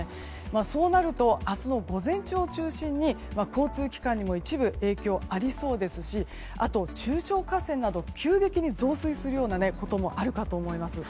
そうなると明日の午前中を中心に交通機関にも一部影響ありそうですし中小河川など急激に増水するようなことがあるかと思います。